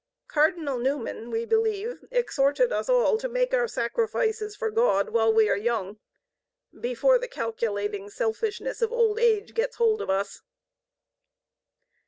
Cardinal Newman, we believe, exhorted us all to make our sacrifices for God while we are young before the calculating selfishness of old age gets hold of us.